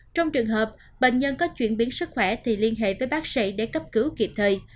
trong trường hợp bệnh nhân có chuyển biến sức khỏe thì liên hệ với bác sĩ để cấp cứu kịp thời